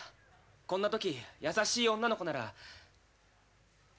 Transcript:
こんな時、優しい女の子なら。